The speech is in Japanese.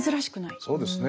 そうですね。